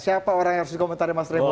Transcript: siapa orang yang harus dikomentari mas revo